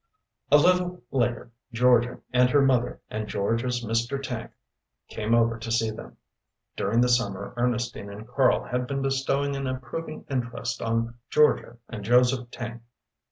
A little later Georgia and her mother and Georgia's Mr. Tank came over to see them. During the summer Ernestine and Karl had been bestowing an approving interest on Georgia and Joseph Tank.